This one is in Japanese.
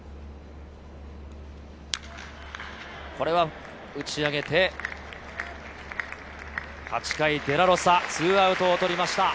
これは打ち上げて、８回デラロサ、２アウトを取りました。